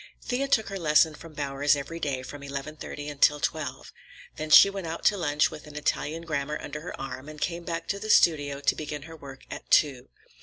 Thea took her lesson from Bowers every day from eleven thirty until twelve. Then she went out to lunch with an Italian grammar under her arm, and came back to the studio to begin her work at two.